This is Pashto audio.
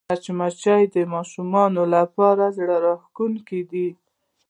مچمچۍ د ماشومانو لپاره زړهراښکونکې ده